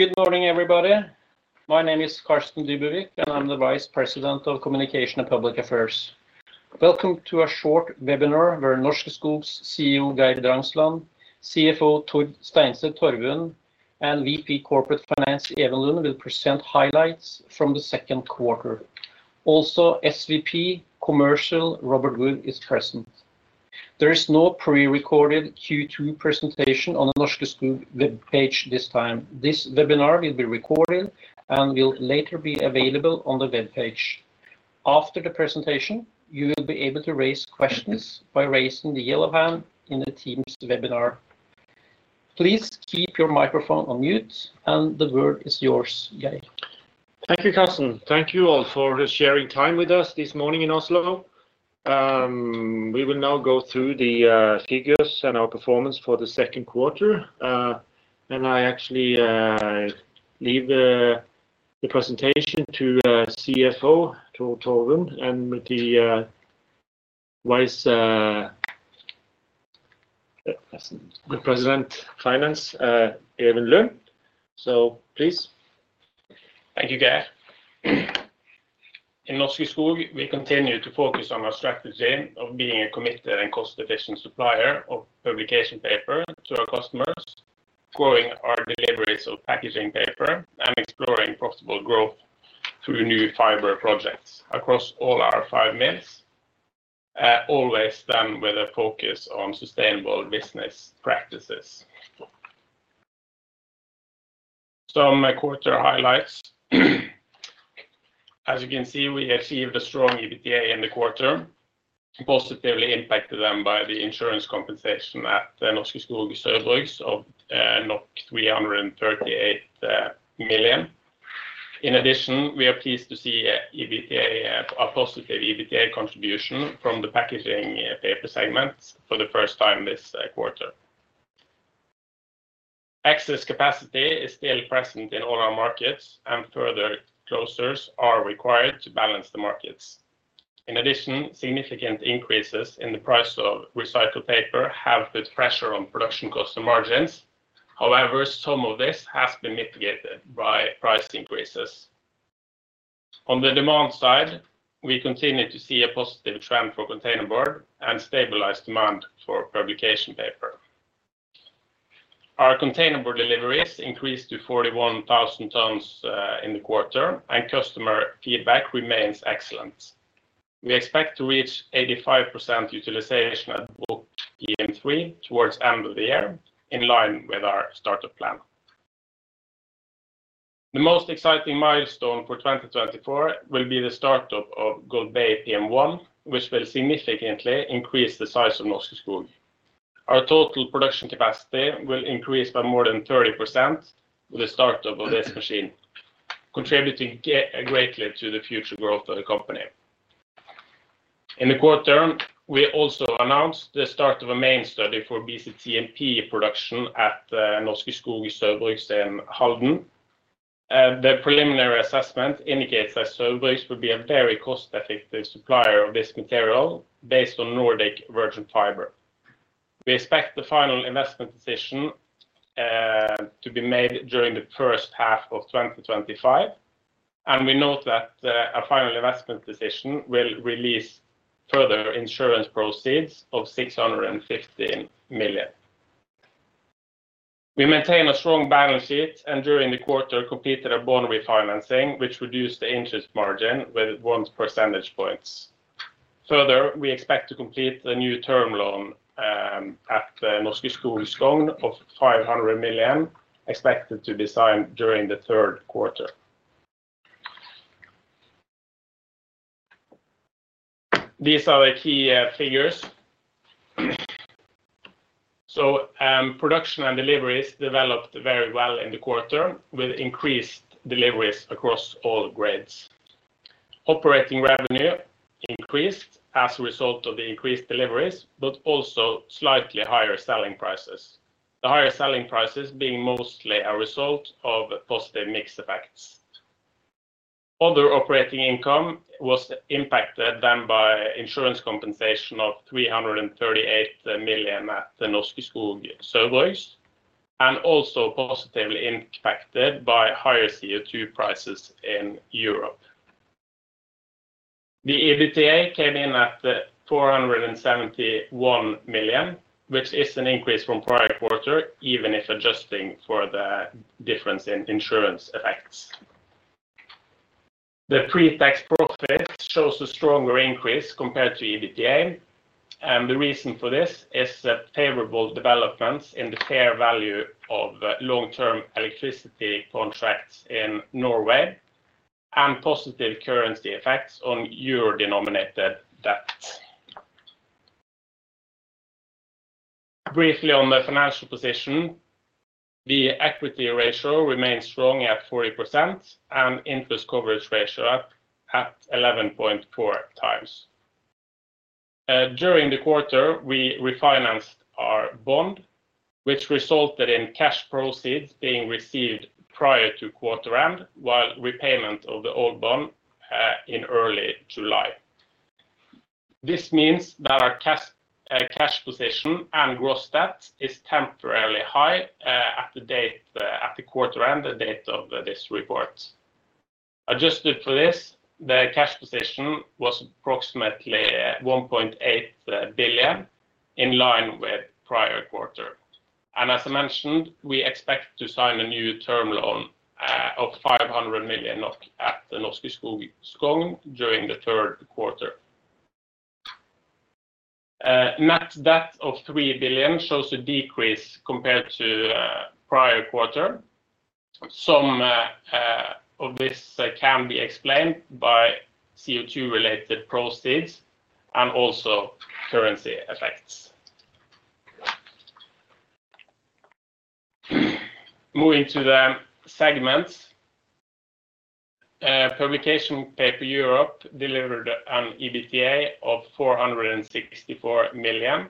Good morning, everybody. My name is Carsten Dybevig, and I'm the Vice President of Communication and Public Affairs. Welcome to a short webinar, where Norske Skog's CEO, Geir Drangsland, CFO, Tord Steinset Torvund, and VP Corporate Finance, Even Lund, will present highlights from the Q2. Also, SVP Commercial, Robert Wood, is present. There is no pre-recorded Q2 presentation on the Norske Skog webpage this time. This webinar will be recorded and will later be available on the webpage. After the presentation, you will be able to raise questions by raising the yellow hand in the Teams webinar. Please keep your microphone on mute, and the word is yours, Geir. Thank you, Carsten. Thank you all for sharing time with us this morning in Oslo. We will now go through the figures and our performance for the Q2. And I actually leave the presentation to CFO, Tord Torvund, and the Vice President Finance, Even Lund. So please. Thank you, Geir. In Norske Skog, we continue to focus on our strategy of being a committed and cost-efficient supplier of publication paper to our customers, growing our deliveries of packaging paper, and exploring possible growth through new fiber projects across all our five mills, always done with a focus on sustainable business practices. Some quarter highlights. As you can see, we achieved a strong EBITDA in the quarter, positively impacted by the insurance compensation at Norske Skog Saugbrugs of 338 million. In addition, we are pleased to see a positive EBITDA contribution from the packaging paper segment for the first time this quarter. Excess capacity is still present in all our markets, and further closures are required to balance the markets. In addition, significant increases in the price of recycled paper have put pressure on production cost and margins. However, some of this has been mitigated by price increases. On the demand side, we continue to see a positive trend for containerboard and stabilized demand for publication paper. Our containerboard deliveries increased to 41,000 tons in the quarter, and customer feedback remains excellent. We expect to reach 85% utilization at Bruck PM3 towards end of the year, in line with our startup plan. The most exciting milestone for 2024 will be the start of Golbey PM1, which will significantly increase the size of Norske Skog. Our total production capacity will increase by more than 30% with the startup of this machine, contributing greatly to the future growth of the company. In the quarter, we also announced the start of a main study for BCTMP production at Norske Skog Saugbrugs in Halden. The preliminary assessment indicates that Saugbrugs would be a very cost-effective supplier of this material, based on Nordic virgin fiber. We expect the final investment decision to be made during the first half of 2025, and we note that a final investment decision will release further insurance proceeds of 615 million. We maintain a strong balance sheet, and during the quarter, completed a bond refinancing, which reduced the interest margin with one percentage points. Further, we expect to complete the new term loan at Norske Skog Skogn of 500 million, expected to be signed during the Q3. These are the key figures. So, production and deliveries developed very well in the quarter, with increased deliveries across all grades. Operating revenue increased as a result of the increased deliveries, but also slightly higher selling prices, the higher selling prices being mostly a result of positive mix effects. Other operating income was impacted then by insurance compensation of 338 million at the Norske Skog Saugbrugs, and also positively impacted by higher CO2 prices in Europe. The EBITDA came in at 471 million, which is an increase from prior quarter, even if adjusting for the difference in insurance effects. The pre-tax profit shows a stronger increase compared to EBITDA, and the reason for this is the favorable developments in the fair value of long-term electricity contracts in Norway, and positive currency effects on euro-denominated debt. Briefly on the financial position, the equity ratio remains strong at 40%, and interest coverage ratio up at 11.4x. During the quarter, we refinanced our bond, which resulted in cash proceeds being received prior to quarter end, while repayment of the old bond in early July. This means that our cash, cash position and gross debt is temporarily high, at the date, at the quarter end, the date of this report. Adjusted for this, the cash position was approximately 1.8 billion, in line with prior quarter. And as I mentioned, we expect to sign a new term loan of 500 million at the Norske Skog Skogn during the Q3. Net debt of 3 billion shows a decrease compared to prior quarter. Some of this can be explained by CO2-related proceeds and also currency effects. Moving to the segments. Publication paper Europe delivered an EBITDA of 464 million,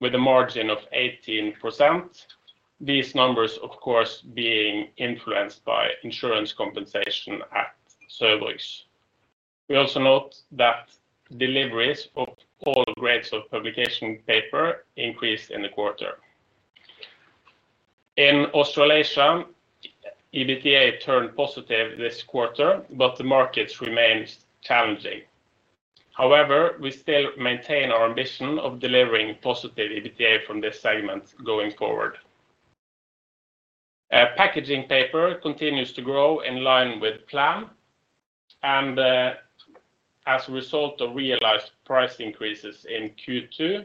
with a margin of 18%. These numbers, of course, being influenced by insurance compensation at Saugbrugs. We also note that deliveries of all grades of publication paper increased in the quarter. In Australasia, EBITDA turned positive this quarter, but the markets remains challenging. However, we still maintain our ambition of delivering positive EBITDA from this segment going forward. Packaging paper continues to grow in line with plan, and, as a result of realized price increases in Q2,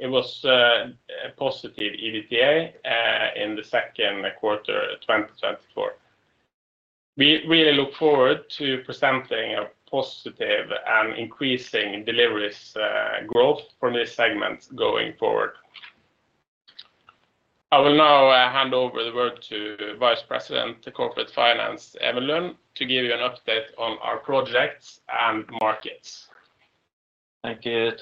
it was a positive EBITDA in the Q2, 2024. We really look forward to presenting a positive and increasing deliveries, growth from this segment going forward. I will now hand over the word to Vice President, Corporate Finance, Even Lund, to give you an update on our projects and markets. Thank you,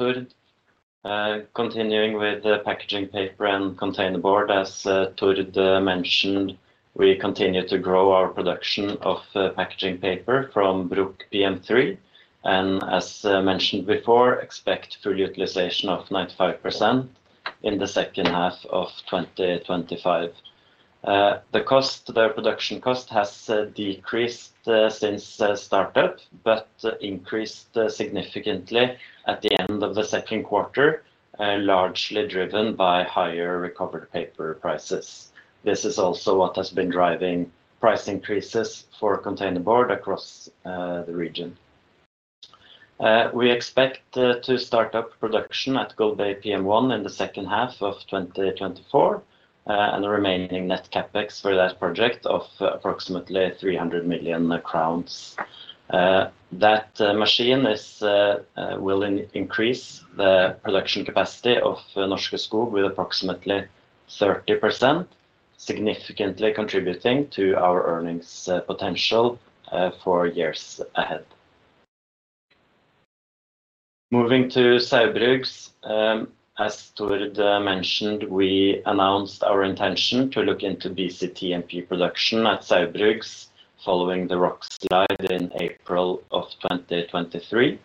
Tord. Continuing with the packaging paper and containerboard, as Tord mentioned, we continue to grow our production of packaging paper from Bruck PM3, and as mentioned before, expect full utilization of 95% in the second half of 2025. The cost, the production cost has decreased since the startup, but increased significantly at the end of the Q2, largely driven by higher recovered paper prices. This is also what has been driving price increases for containerboard across the region. We expect to start up production at Golbey PM1 in the second half of 2024, and the remaining net CapEx for that project of approximately 300 million crowns. That machine will increase the production capacity of Norske Skog with approximately 30%, significantly contributing to our earnings potential for years ahead. Moving to Saugbrugs, as Tord mentioned, we announced our intention to look into BCTMP production at Saugbrugs, following the rock slide in April of 2023.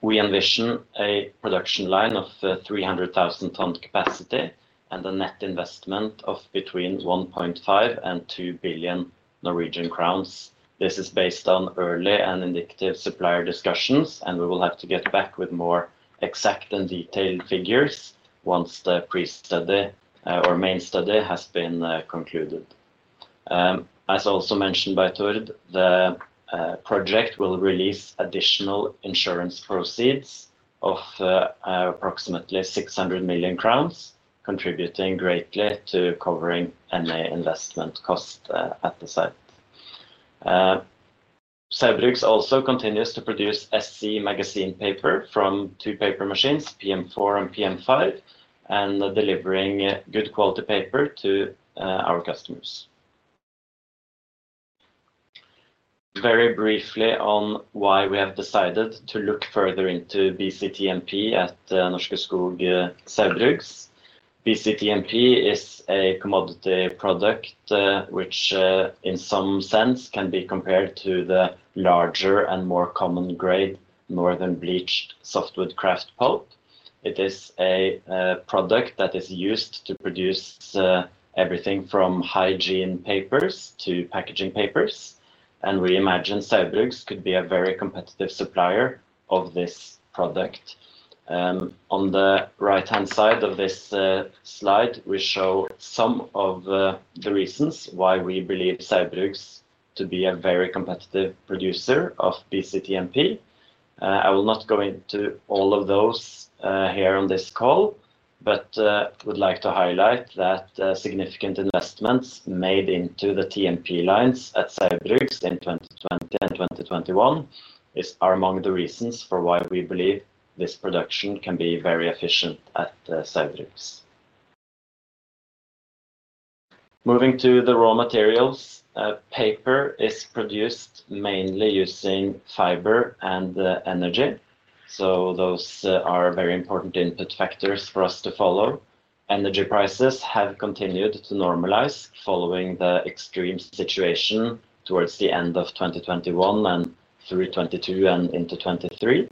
We envision a production line of 300,000-ton capacity, and a net investment of between 1.5 billion and 2 billion Norwegian crowns. This is based on early and indicative supplier discussions, and we will have to get back with more exact and detailed figures once the pre-study or main study has been concluded. As also mentioned by Tord, the project will release additional insurance proceeds of approximately 600 million crowns, contributing greatly to covering any investment cost at the site. Saugbrugs also continues to produce SC magazine paper from two paper machines, PM4 and PM5, and delivering good quality paper to our customers. Very briefly on why we have decided to look further into BCTMP at Norske Skog Saugbrugs. BCTMP is a commodity product, which, in some sense, can be compared to the larger and more common grade, more than bleached softwood kraft pulp. It is a product that is used to produce everything from hygiene papers to packaging papers, and we imagine Saugbrugs could be a very competitive supplier of this product. On the right-hand side of this slide, we show some of the reasons why we believe Saugbrugs to be a very competitive producer of BCTMP. I will not go into all of those here on this call, but would like to highlight that significant investments made into the TMP lines at Saugbrugs in 2020 and 2021 are among the reasons for why we believe this production can be very efficient at Saugbrugs. Moving to the raw materials. Paper is produced mainly using fiber and energy, so those are very important input factors for us to follow. Energy prices have continued to normalize following the extreme situation towards the end of 2021, and through 2022 and into 2023,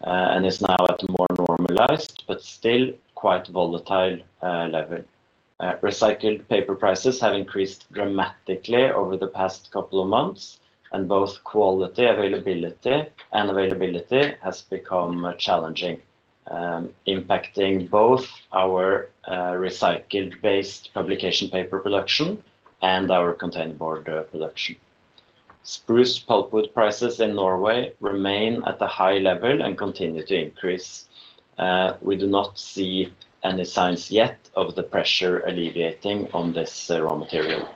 and is now at a more normalized but still quite volatile level. Recycled paper prices have increased dramatically over the past couple of months, and both quality, availability, and availability has become challenging, impacting both our recycled-based publication paper production and our containerboard production. Spruce pulpwood prices in Norway remain at a high level and continue to increase. We do not see any signs yet of the pressure alleviating on this raw material.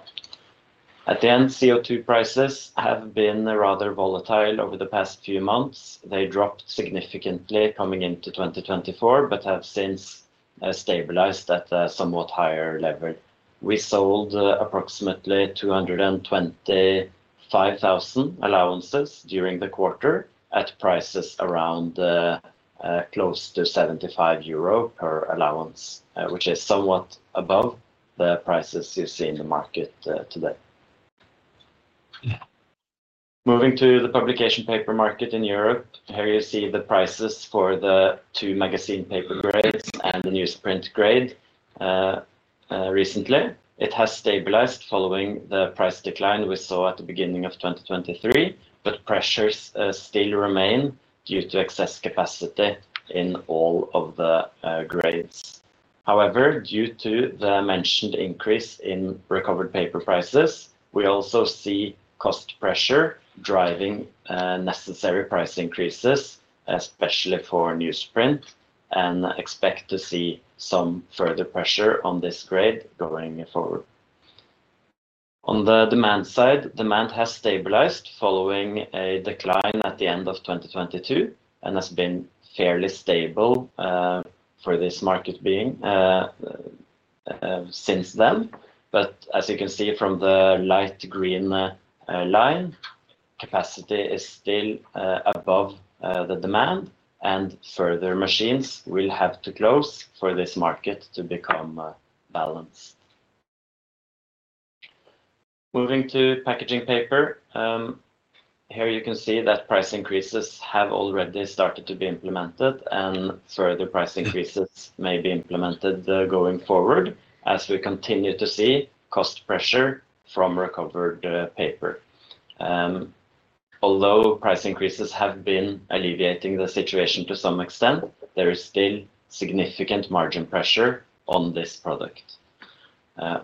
At the end, CO₂ prices have been rather volatile over the past few months. They dropped significantly coming into 2024, but have since stabilized at a somewhat higher level. We sold approximately 225,000 allowances during the quarter at prices around close to 75 euro per allowance, which is somewhat above the prices you see in the market today. Moving to the publication paper market in Europe, here you see the prices for the two magazine paper grades and the newsprint grade. Recently, it has stabilized following the price decline we saw at the beginning of 2023, but pressures still remain due to excess capacity in all of the grades. However, due to the mentioned increase in recovered paper prices, we also see cost pressure driving necessary price increases, especially for newsprint, and expect to see some further pressure on this grade going forward. On the demand side, demand has stabilized following a decline at the end of 2022, and has been fairly stable for this market being since then. As you can see from the light green line, capacity is still above the demand, and further machines will have to close for this market to become balanced. Moving to packaging paper, here you can see that price increases have already started to be implemented, and further price increases may be implemented going forward, as we continue to see cost pressure from recovered paper. Although price increases have been alleviating the situation to some extent, there is still significant margin pressure on this product.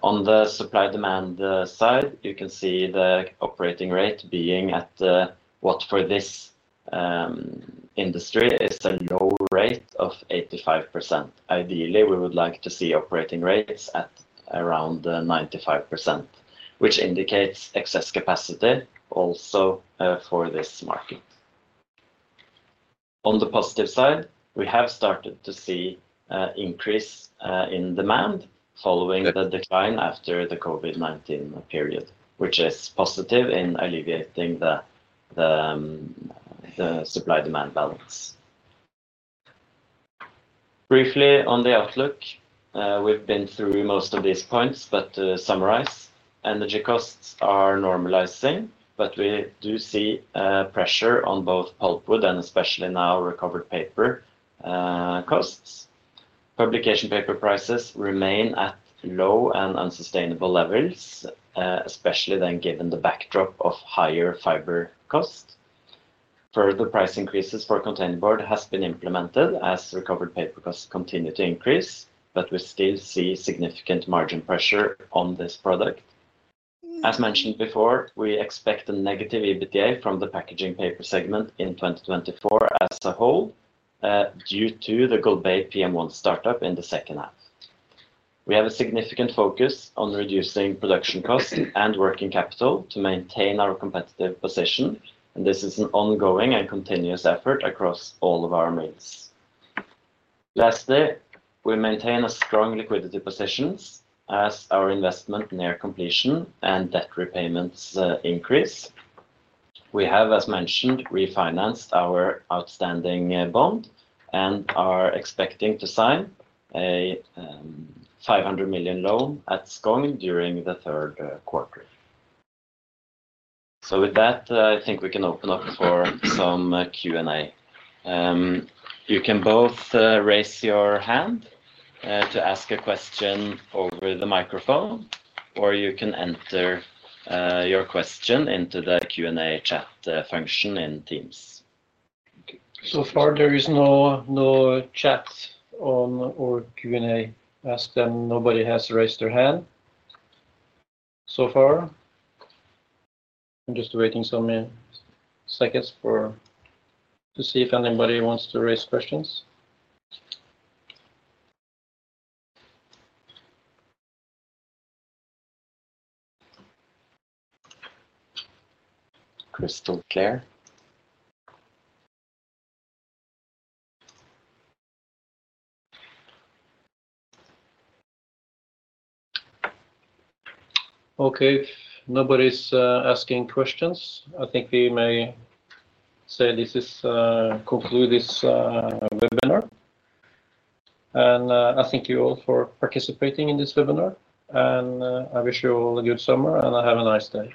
On the supply-demand side, you can see the operating rate being at what for this industry is a low rate of 85%. Ideally, we would like to see operating rates at around 95%, which indicates excess capacity also for this market. On the positive side, we have started to see increase in demand following the decline after the COVID-19 period, which is positive in alleviating the supply-demand balance. Briefly on the outlook, we've been through most of these points, but to summarize, energy costs are normalizing, but we do see pressure on both pulpwood and especially now recovered paper costs. Publication paper prices remain at low and unsustainable levels, especially then given the backdrop of higher fiber cost. Further price increases for containerboard has been implemented as recovered paper costs continue to increase, but we still see significant margin pressure on this product. As mentioned before, we expect a negative EBITDA from the packaging paper segment in 2024 as a whole, due to the Golbey PM1 startup in the second half. We have a significant focus on reducing production costs and working capital to maintain our competitive position, and this is an ongoing and continuous effort across all of our mills. Lastly, we maintain a strong liquidity positions as our investment near completion and debt repayments increase. We have, as mentioned, refinanced our outstanding bond and are expecting to sign a 500 million loan at Skogn during the Q3. So with that, I think we can open up for some Q&A. You can both raise your hand to ask a question over the microphone, or you can enter your question into the Q&A chat function in Teams. So far, there is no, no chat on our Q&A as nobody has raised their hand so far. I'm just waiting some, seconds for to see if anybody wants to raise questions. Crystal clear. Okay, if nobody's asking questions, I think we may say this is conclude this webinar. I thank you all for participating in this webinar, and I wish you all a good summer, and have a nice day.